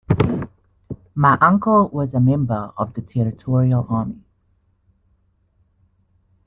My uncle was a member of the Territorial Army